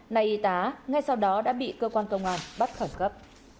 nay y tá ngay sau đó đã bị cơ quan công an bắt khẩn cấp